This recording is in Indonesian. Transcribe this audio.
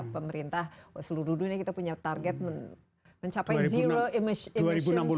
pemerintah seluruh dunia kita punya target mencapai zero emission